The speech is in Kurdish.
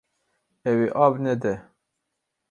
Ew ê av nede.